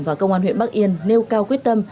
và công an huyện bắc yên nêu cao quyết tâm